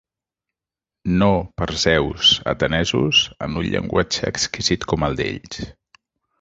No, per Zeus, atenesos, en un llenguatge exquisit com el d'ells.